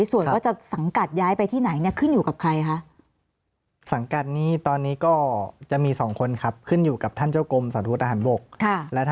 ส่วนว่าจะสังกัดย้ายไปที่ไหนเนี่ยขึ้นอยู่กับใครคะ